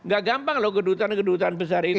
gak gampang loh kedutaan kedutaan besar ini